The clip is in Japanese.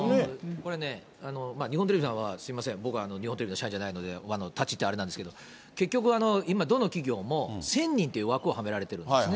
これね、日本テレビさんはすみません、僕は日本テレビの社員ではないので、立ち入ってあれなんですけど、結局今、どの企業の１０００人という枠をはめられているんですね。